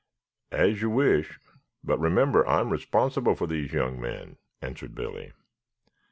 "As you wish. But remember, I am responsible for these young men," answered Billy.